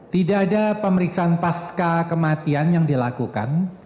tidak ada pemeriksaan pasca kematian yang dilakukan